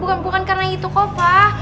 bukan bukan karena itu kok pak